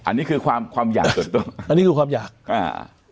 อันนี้คือความความอยากเปิดต้นอันนี้คือความอยากอ่า